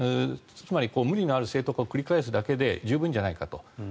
つまり、無理のある正当化を繰り返すだけで十分じゃないかと。